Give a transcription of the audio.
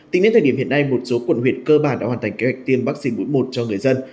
tính đến thời điểm hiện nay một số quận huyện cơ bản đã hoàn thành kế hoạch tiêm vaccine mũi một cho người dân